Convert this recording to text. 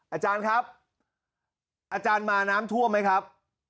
อาจารย์ครับอาจารย์มาน้ำท่วมไหมครับ